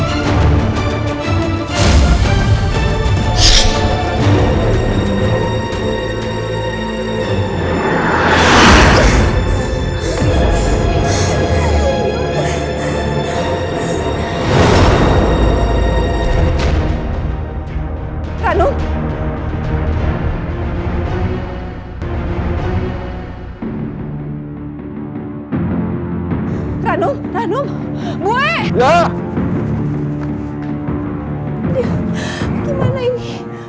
dia bagaimana ini